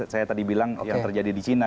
saya tadi bilang yang terjadi di china